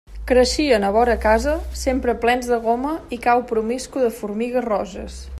Creixien a vora casa, sempre plens de goma i cau promiscu de formigues roges.